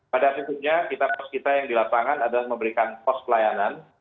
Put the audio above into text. pada musimnya kita yang dilaporkan adalah memberikan pos pelayanan